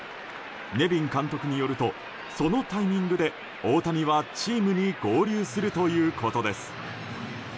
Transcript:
ネビン監督によるとそのタイミングで大谷はチームに合流するということです。